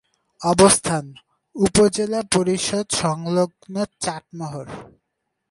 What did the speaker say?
অবস্থান: উপজেলা পরিষদ সংলগ্ন চাটমোহর।